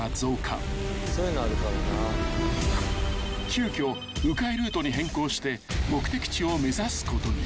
［急きょ迂回ルートに変更して目的地を目指すことに］